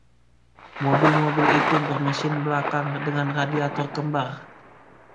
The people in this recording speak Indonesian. Mobil-mobil itu bermesin belakang dengan radiator kembar.